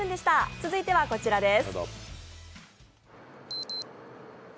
続いてはこちらです。